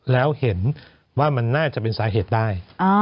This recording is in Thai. แล้วเห็นว่ามันน่าจะเป็นสาเหตุได้